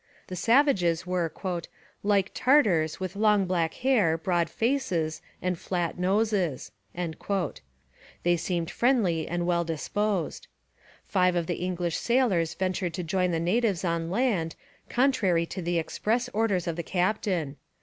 The savages were 'like Tartars with long black hair, broad faces, and flat noses.' They seemed friendly and well disposed. Five of the English sailors ventured to join the natives on land, contrary to the express orders of the captain.